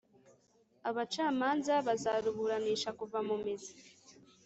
Abacamanza bazaruburanisha kuva mu mizi